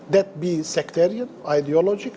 yang sekretaris ideologis